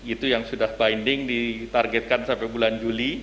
itu yang sudah binding ditargetkan sampai bulan juli